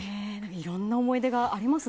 いろんな思い出がありますね。